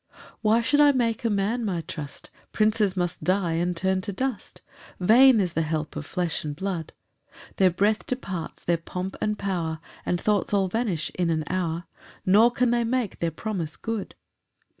2 Why should I make a man my trust? Princes must die and turn to dust; Vain is the help of flesh and blood: Their breath departs, their pomp and power, And thoughts all vanish in an hour, Nor can they make their promise good.